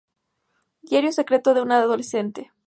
Diario secreto de una adolescente".